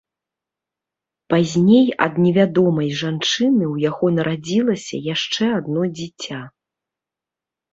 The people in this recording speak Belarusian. Пазней ад невядомай жанчыны ў яго нарадзілася яшчэ адно дзіця.